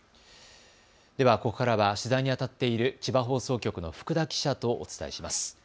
ではここからは取材にあたっている千葉放送局の福田記者とお伝えします。